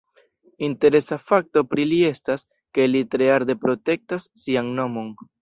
Interesa fakto pri li estas, ke li tre arde protektas sian nomon.